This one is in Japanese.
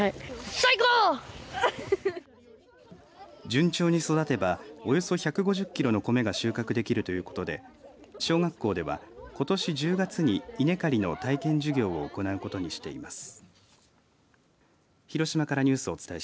順調に育てばおよそ１５０キロの米が収穫できるということで小学校では、ことし１０月に稲刈りの体験授業を行うことにしています。